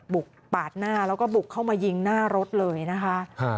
ปาดหน้าแล้วก็บุกเข้ามายิงหน้ารถเลยนะคะ